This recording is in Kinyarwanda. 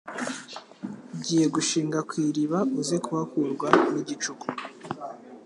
ugiye gushinga ku iriba uze kuhakurwa ni igicuku